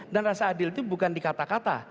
dan rasa adil itu bukan di kata kata